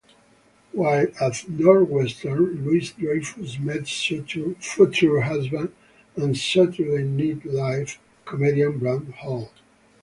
While at Northwestern, Louis-Dreyfus met future husband and "Saturday Night Live" comedian Brad Hall.